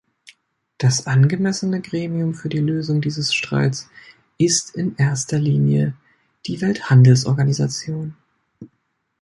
Das angemessene Gremium für die Lösung dieses Streits ist in erster Linie die Welthandelsorganisation.